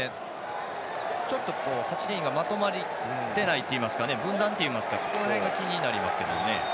ちょっと８人がまとまっていないっていいますか分断といいますか、そこら辺が気になりますね。